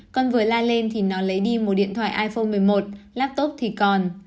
con vừa la lên thì nó lấy đi một điện thoại iphone một mươi một laptop thì còn